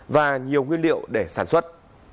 và nhiều nguyên liệu để sản xuất